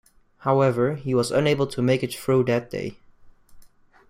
However, he was unable to make it through that day.